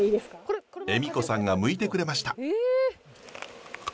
栄美子さんがむいてくれました。